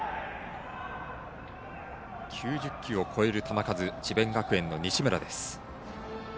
９０球を超える球数智弁学園の西村です。